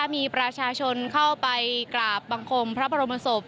มีประชาชนเข้าไปกราบบังคมพระบรมศพ